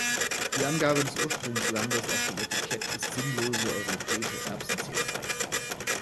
Die Angabe des Ursprungslandes auf dem Etikett ist sinnlose europäische Erbsenzählerei.